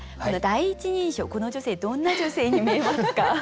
第一印象この女性どんな女性に見えますか？